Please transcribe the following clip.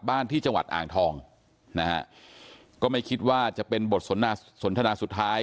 บ้านที่จังหวัดอ่างทองนะฮะก็ไม่คิดว่าจะเป็นบทสนทนาสุดท้าย